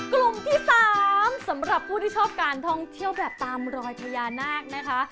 กลุ่มที่๓สำหรับผู้ที่ชอบการท่องเที่ยวแบบตามรอยพญานาคนะคะ